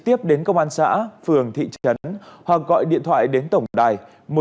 điện thoại đến công an xã phường thị trấn hoặc gọi điện thoại đến tổng đài một nghìn chín trăm linh ba trăm sáu mươi tám